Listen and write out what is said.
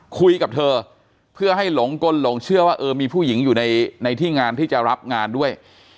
คุยกับเธอเพื่อให้หลงกลหลงเชื่อว่าเออมีผู้หญิงอยู่ในที่งานที่จะรับงานด้วย